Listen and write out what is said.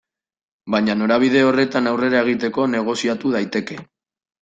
Baina norabide horretan aurrera egiteko negoziatu daiteke.